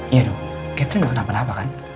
iya dong catherine udah kenapa napa kan